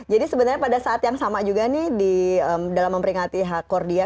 jadi sebenarnya pada saat yang sama juga nih dalam memperingati hakkordia